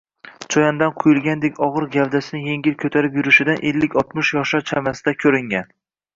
choʼyandan Quyilgandek ogʼir gavdasini yengil koʼtarib yurishidan ellik-oltmish yoshlar chamasida koʼringan